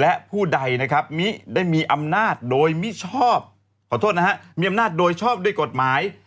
และผู้ใดนะครับมิได้มีอำนาจโดยมิชอบขอโทษนะฮะมีอำนาจโดยชอบด้วยกฎหมาย